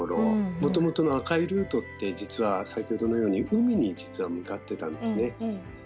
もともとの赤いルートって実は先ほどのように海に向かってたんですね。